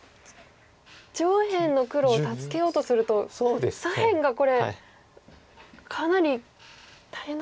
上辺の黒を助けようとすると左辺がこれかなり大変なことになりますね。